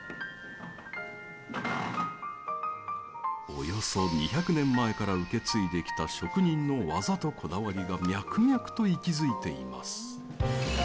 およそ２００年前から受け継いできた職人の技と、こだわりが脈々と息づいています。